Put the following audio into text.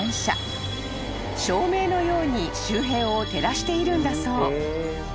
［照明のように周辺を照らしているんだそう］